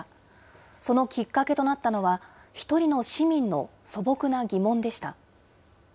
そのきっかけとなったのは、１人の市民の素朴な疑問でした。